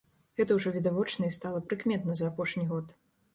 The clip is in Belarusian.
Гэта ўжо відавочна і стала прыкметна за апошні год.